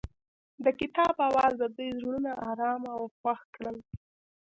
د کتاب اواز د دوی زړونه ارامه او خوښ کړل.